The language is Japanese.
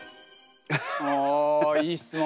おいい質問。